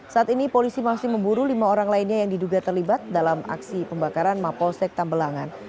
saat ini polisi masih memburu lima orang lainnya yang diduga terlibat dalam aksi pembakaran mapolsek tambelangan